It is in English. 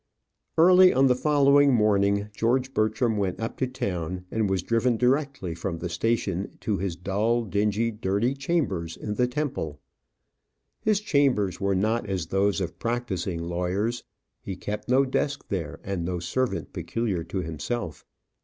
Early on the following morning, George Bertram went up to town, and was driven directly from the station to his dull, dingy, dirty chambers in the Temple. His chambers were not as those of practising lawyers. He kept no desk there, and no servant peculiar to himself.